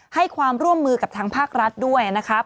ให้ความร่วมมือกับทางภาครัฐด้วยนะครับ